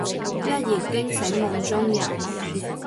一言驚醒夢中人